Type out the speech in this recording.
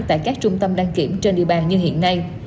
tại các trung tâm đăng kiểm trên địa bàn như hiện nay